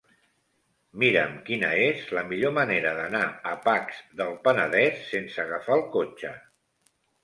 Mira'm quina és la millor manera d'anar a Pacs del Penedès sense agafar el cotxe.